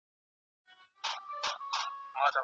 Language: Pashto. پوهان کوښښ کوي چې د نړۍ په اړه خپل شناخت ډېر کړي.